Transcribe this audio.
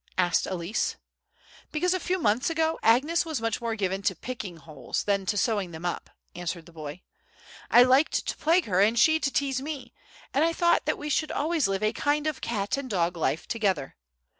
asked Elsie. "Because a few months ago Agnes was much more given to picking holes than to sewing them up," answered the boy. "I liked to plague her and she to tease me, and I thought that we should always live a kind of cat and dog life together.